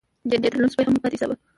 دی يې تر لوند سپي هم بد ايساوه.